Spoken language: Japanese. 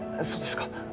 そうですか。